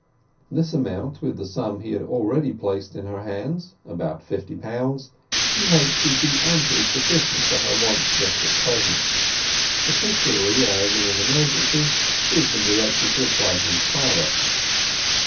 This amount, with the sum he had already placed in her hands—about fifty pounds—he hoped would be amply sufficient for her wants just at present, particularly as in an emergency she had been directed to apply to his father.